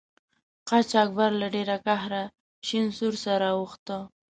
قاچاقبر له ډیره قهره شین سور سره اوښته.